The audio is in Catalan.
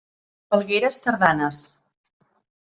Falgueres tardanes.